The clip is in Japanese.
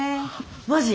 マジ！？